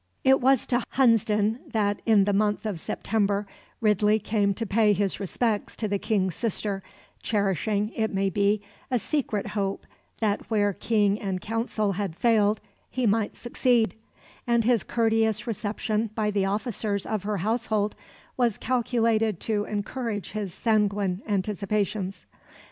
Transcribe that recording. ] It was to Hunsdon that, in the month of September, Ridley came to pay his respects to the King's sister, cherishing, it may be, a secret hope that where King and Council had failed, he might succeed; and his courteous reception by the officers of her household was calculated to encourage his sanguine anticipations.